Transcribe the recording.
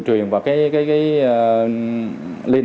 trong thời gian tuy nhiên